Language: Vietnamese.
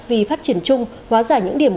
vì phát triển chung hóa giải những điểm